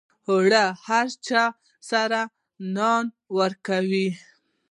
اوړه د هر چای سره نان ورکوي